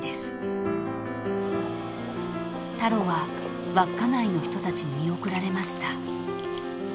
［タロは稚内の人たちに見送られました］